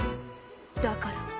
だから。